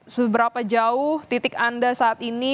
seberapa jauh titik anda saat ini